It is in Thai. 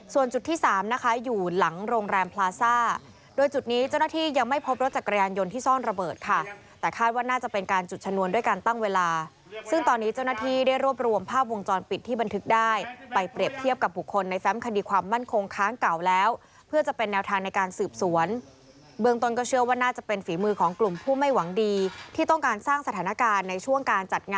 ส่วนจุดที่สามนะคะอยู่หลังโรงแรมพลาซ่าโดยจุดนี้เจ้าหน้าที่ยังไม่พบรถจักรยานยนต์ที่ซ่อนระเบิดค่ะแต่คาดว่าน่าจะเป็นการจุดชนวนด้วยการตั้งเวลาซึ่งตอนนี้เจ้าหน้าที่ได้รวบรวมภาพวงจรปิดที่บันทึกได้ไปเปรียบเทียบกับบุคคลในแฟมคณีความมั่นคงค้างเก่าแล้วเพื่อจะเป็นแนวทางในก